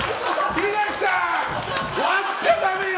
東さん、割っちゃダメよ。